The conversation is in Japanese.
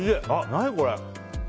何これ。